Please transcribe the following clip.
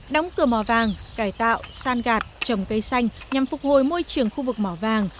đóng cửa mỏ vàng cải tạo san gạt trồng cây xanh nhằm phục hồi môi trường khu vực mỏ vàng